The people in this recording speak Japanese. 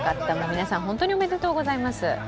皆さん、本当におめでとうございます。